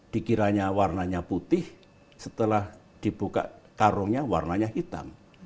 dikiranya warnanya putih setelah dibuka karungnya warnanya hitam